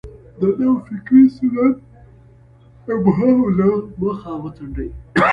د نوفکرۍ سنت ابهام له مخه وڅنډي.